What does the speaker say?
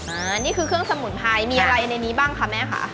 อันนี้คือเครื่องสมุนไพรมีอะไรในนี้บ้างคะแม่ค่ะ